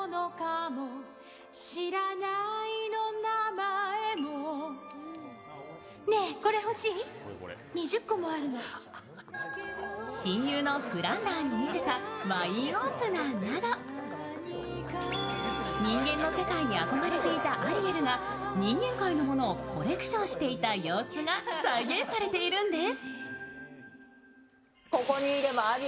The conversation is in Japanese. まずは親友のフランダーに見せたワインオープナーなど人間の世界に憧れていたアリエルが人間界のものをコレクションしていた様子が再現されているんです。